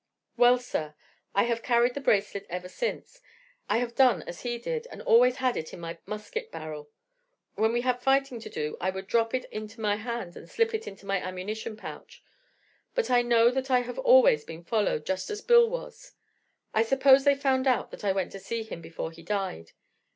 "'Well, sir, I have carried the bracelet ever since. I have done as he did, and always had it in my musket barrel When we had fighting to do I would drop it out into my hand and slip it into my ammunition pouch; but I know that I have always been followed, just as Bill was. I suppose they found out that I went to see him before he died.